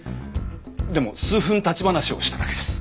でも数分立ち話をしただけです。